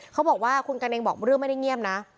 เขาบอกว่าคุณกันเองบอกเรื่องไม่ได้เงียบนะ